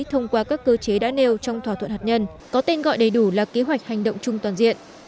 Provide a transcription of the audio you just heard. thông qua các cơ chế đã nêu trong thỏa thuận hạt nhân có tên gọi đầy đủ là kế hoạch hành động chung toàn diện